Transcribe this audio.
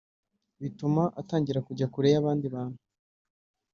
bituma atangira kujya kure y’abandi bantu